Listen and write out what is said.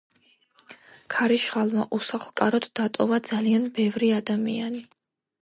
ქარიშხალმა უსახლკაროდ დატოვა ძალიან ბევრი ადამიანი.